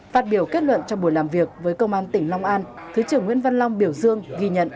phát biểu kết luận trong buổi làm việc với công an tỉnh long an thứ trưởng nguyễn văn long biểu dương ghi nhận